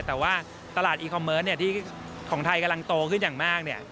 แต่ว่าตลาดอีคอมเมิร์ตของไทยกำลังโตขึ้นอย่างมาก